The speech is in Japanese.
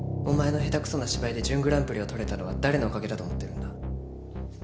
お前のヘタクソな芝居で準グランプリを取れたのは誰のおかげだと思ってるんだ。